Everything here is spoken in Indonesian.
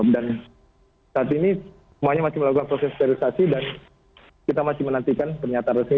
dan saat ini semuanya masih melakukan proses sterilisasi dan kita masih menantikan pernyataan resmi